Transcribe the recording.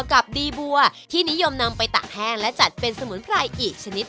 กับดีบัวที่นิยมนำไปตักแห้งและจัดเป็นสมุนไพรอีกชนิด